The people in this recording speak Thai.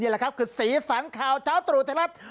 นี่ล่ะครับคือศรีสังข่าวเจ้าตรุธรรมรัฐ